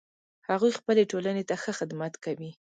هغوی خپلې ټولنې ته ښه خدمت کوي